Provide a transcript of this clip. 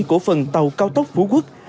của phần tàu cao tốc phú quốc